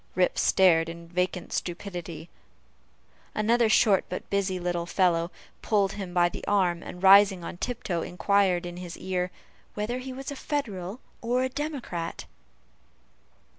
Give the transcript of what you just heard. Rip stared in vacant stupidity. Another short but busy little fellow pulled him by the arm, and rising on tiptoe, inquired in his ear, "whether he was Federal or Democrat."